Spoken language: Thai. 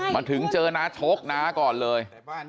มาถึงเจอน้าชกน้าก่อนเลย